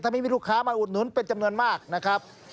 ไม่มีลูกค้ามาอุดหนุนเป็นจำนวนมากนะครับ